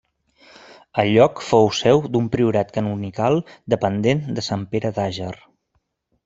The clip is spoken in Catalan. El lloc fou seu d'un priorat canonical dependent de Sant Pere d'Àger.